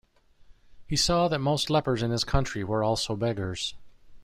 He saw that most lepers in his country were also beggars.